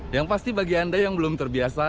yang pasti bagi anda yang belum terbiasa